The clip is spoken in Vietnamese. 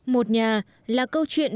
một nhà là câu chuyện